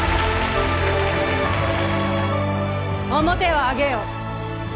面を上げよ。